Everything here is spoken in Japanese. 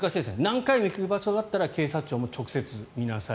何回も行く場所だったら警察庁も直接見なさい。